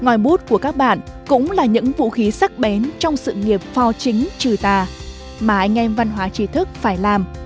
ngòi bút của các bạn cũng là những vũ khí sắc bén trong sự nghiệp phò chính trừ tà mà anh em văn hóa trí thức phải làm